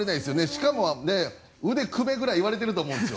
しかも腕組めぐらい言われてると思うんですよ。